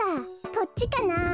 こっちかなあ。